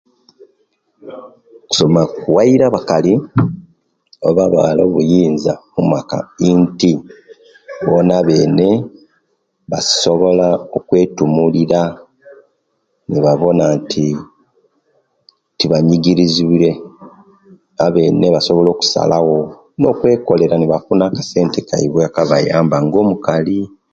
Okusoma kuwaire abakali oba abawala obuyinza mumaka inti bona abene basobola okwetumulira nebabona nti tibanyigizibwire abene basobola okusala wo nokwekolere nebafuna akasente kaiwe akabayamba nga omukali